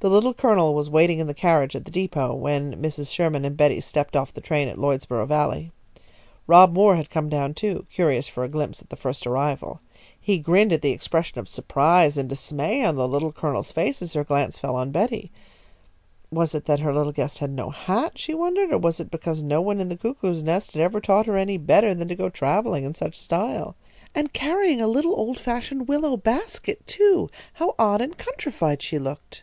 The Little Colonel was waiting in the carriage at the depot when Mrs. Sherman and Betty stepped off the train at Lloydsboro Valley. Rob Moore had come down, too, curious for a glimpse at the first arrival. He grinned at the expression of surprise and dismay on the Little Colonel's face as her glance fell on Betty. Was it that her little guest had no hat, she wondered, or was it because no one in the cuckoo's nest had ever taught her any better than to go travelling in such style? And carrying a little old fashioned willow basket, too! How odd and countrified she looked!